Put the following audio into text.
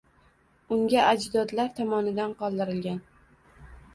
Unga, ajdodlari tomonidan qoldirilgan.